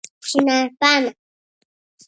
چینارپاڼه